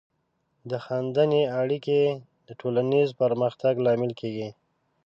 د خاندنۍ اړیکې د ټولنیز پرمختګ لامل کیږي.